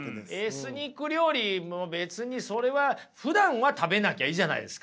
エスニック料理別にそれはふだんは食べなきゃいいじゃないですか。